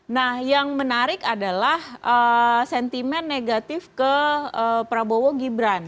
nah yang menarik adalah sentimen negatif ke prabowo gibran